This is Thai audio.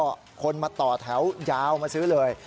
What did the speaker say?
ก็คนมาต่อแถวยาวมาซื้อเลย